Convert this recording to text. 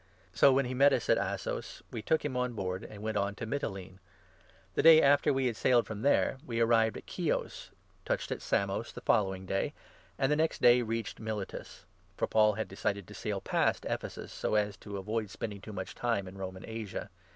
So, when he met us at Assos, 14 we took him on board and went on to Mitylene. The day 15 after we had sailed from there, we arrived off Chios, touched at Samos the following day, and the next day reached Miletus ; for Paul had decided to sail past Ephesus, so as to 16 avoid spending much time in Roman Asia.